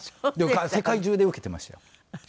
世界中でウケてましたよ。